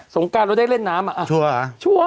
งการเราได้เล่นน้ำอ่ะ